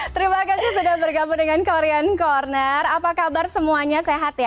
terima kasih sudah bergabung dengan korean corner apa kabar semuanya sehat ya